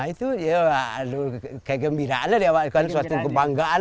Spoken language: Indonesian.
itu kayak gembiraan suatu kebanggaan